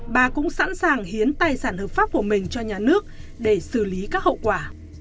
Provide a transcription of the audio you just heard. bà cũng sẵn sàng hiến tài sản hợp pháp của mình cho nhà nước để xử lý các hậu quả